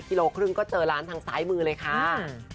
กิโลครึ่งก็เจอร้านทางซ้ายมือเลยค่ะ